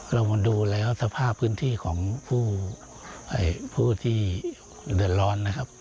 เรามาดูแล้วสภาพพื้นที่ของผู้ที่เดือดร้อนนะครับ